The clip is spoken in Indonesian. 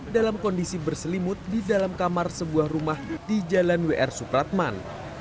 dalam kondisi berselimut di dalam kamar sebuah rumah di jalan wr supratman